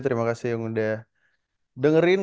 terima kasih yang udah dengerin